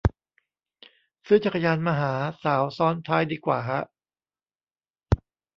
ซื้อจักรยานมาหาสาวซ้อนท้ายดีกว่าฮะ